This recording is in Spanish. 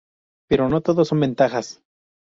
Pero no todo son ventajas.